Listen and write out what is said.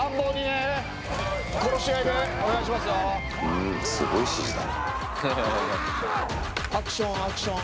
うん、すごい指示だね。